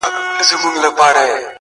ما خو پخوا مـسـته شــاعـــري كول.